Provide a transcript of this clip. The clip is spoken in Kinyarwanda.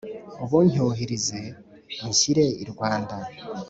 ubuncyurize unshyire i rwanda,